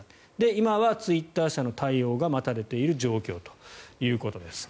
今はツイッター社の対応が待たれている状況ということです。